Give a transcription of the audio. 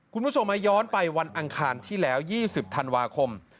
คุณผู้ชมมาย้อนไปวันอังคารที่แล้ว๒๐ธันวาคม